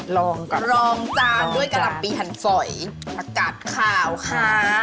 รองกับรองจานด้วยกะล่ำปีหันสอยอากาศขาวค่ะ